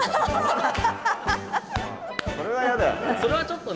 それは嫌だよね。